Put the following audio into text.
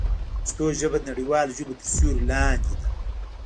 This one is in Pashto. پښتو ژبه د نړیوالو ژبو تر سیوري لاندې ده.